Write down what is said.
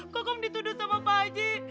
kokong dituduh sama pak haji